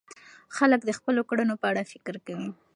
خلک د خپلو کړنو په اړه فکر کوي.